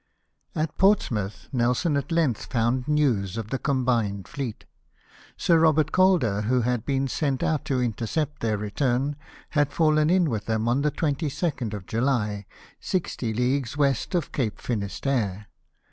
At Portsmouth, Nelson at length found news of the combined fleet. Sir Robert Calder, who had been sent out to intercept their return, had fallen in with them on the 22nd of July, sixty leagues west of Cape Finisterre.